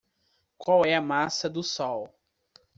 Qual é a massa do sol?